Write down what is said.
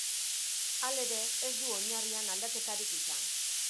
Halere, ez du oinarrian aldaketarik izan.